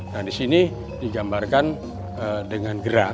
nah di sini digambarkan dengan gerak